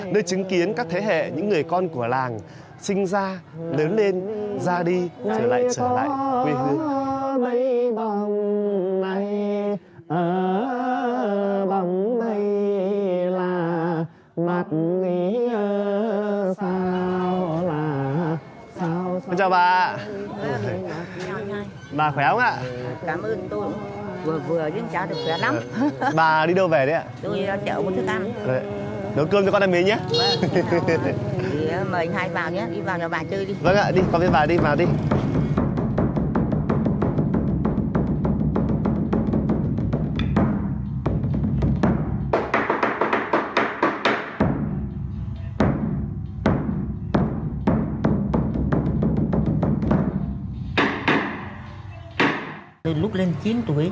nơi chứng kiến các thế hệ những người con của làng sinh ra lớn lên ra đi trở lại trở lại quê hương